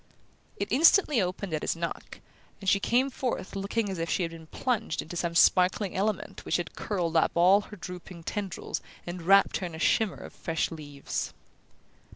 It instantly opened at his knock, and she came forth looking as if she had been plunged into some sparkling element which had curled up all her drooping tendrils and wrapped her in a shimmer of fresh leaves.